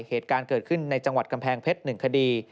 เหตุการณ์เกิดขึ้นในจังหวัดกำแพงเพชร๑คดี